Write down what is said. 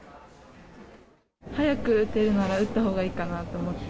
早く打てるなら打ったほうがいいかなと思って。